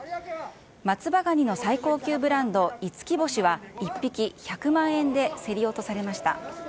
松葉がにの最高級ブランド、五輝星は１匹１００万円で競り落とされました。